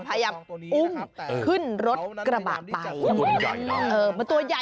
เอิ่มขึ้นรถกระบะป่า